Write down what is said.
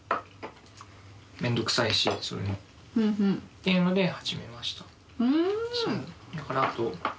ていうので始めました。